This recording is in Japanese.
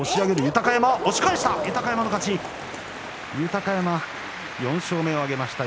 豊山、４勝目を挙げました。